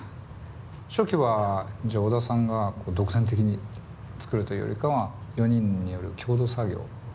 初期はじゃあ小田さんが独占的に作るというよりかは４人による共同作業？